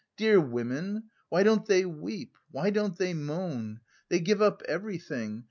Dear women! Why don't they weep? Why don't they moan? They give up everything...